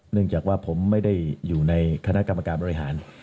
เนื่องจากว่าผมไม่ได้อยู่ในคณะกรรมการบริหาร